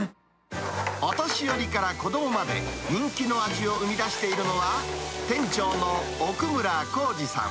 お年寄りから子どもまで、人気の味を生み出しているのは、店長の奥村浩次さん。